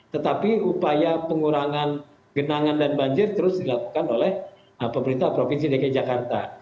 tetapi upaya pengurangan genangan dan banjir terus dilakukan oleh pemerintah provinsi dki jakarta